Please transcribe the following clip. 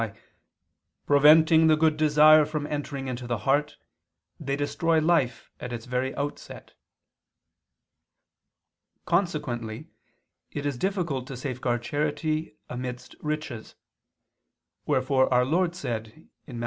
by "preventing the good desire from entering into the heart, they destroy life at its very outset." Consequently it is difficult to safeguard charity amidst riches: wherefore our Lord said (Matt.